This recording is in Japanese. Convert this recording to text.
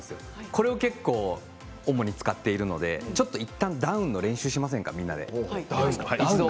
これを主に使っているのでいったんダウンの練習をしませんか。